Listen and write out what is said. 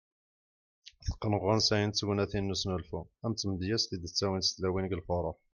Teqqen ɣer wansayen d tegnatin n usnulfu ,am tmedyazt i d -ttawint tlawin deg lfuruh.